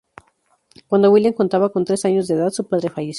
Cuando William contaba con tres años de edad, su padre falleció.